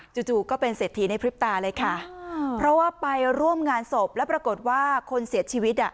จู่ก็เป็นเศรษฐีในพริบตาเลยค่ะเพราะว่าไปร่วมงานศพแล้วปรากฏว่าคนเสียชีวิตอ่ะ